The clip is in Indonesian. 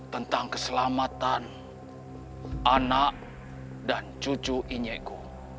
tentang keselamatan anak dan cucu inego